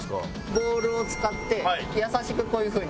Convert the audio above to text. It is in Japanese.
ボウルを使って優しくこういう風に。